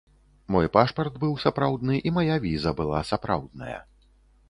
Мой пашпарт быў сапраўдны, і мая віза была сапраўдная.